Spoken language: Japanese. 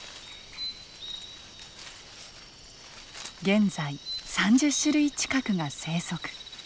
現在３０種類近くが生息。